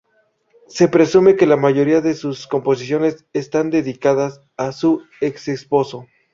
Se presume que la mayoría de sus composiciones están dedicadas a su ex-esposo.